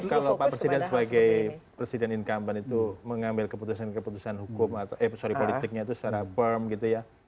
kalau pak presiden sebagai presiden incumbent itu mengambil keputusan keputusan politiknya itu secara firm gitu ya